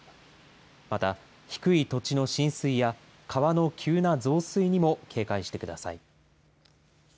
また、低い土地の浸水や川の急な増水にも警戒してください。